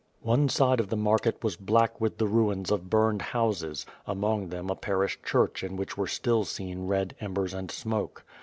One side of the market was black with the ruins of burned houses, among them a parish church in which were still seen red embers and smoke.